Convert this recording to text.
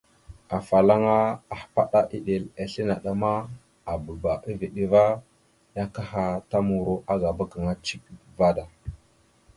Afalaŋa ahpaɗá islé naɗ a ndaɗ ma, aababa a veɗ ava ya akaha ta muro agaba gaŋa cek vaɗ da.